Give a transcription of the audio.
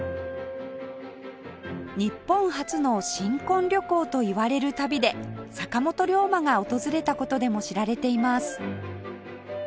日本初の新婚旅行といわれる旅で坂本龍馬が訪れた事でも知られています